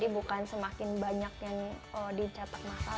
bukan semakin banyak yang dicatat masalah